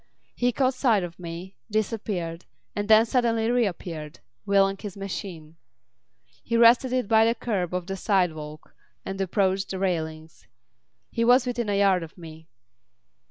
He caught sight of me, disappeared, and then suddenly reappeared, wheeling his machine. He rested it by the kerb of the sidewalk and approached the railings. He was within a yard of me.